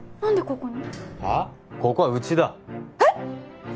ここはうちだえっ！？